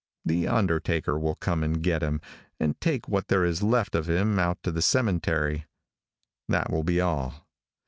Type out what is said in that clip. The undertaker will come and get him and take what there is left of him out to the cemetery. That will be all.